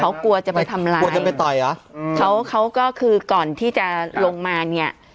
เขากลัวจะไปทำร้ายกลัวจะไปต่อยเหรออืมเขาเขาก็คือก่อนที่จะลงมาเนี้ย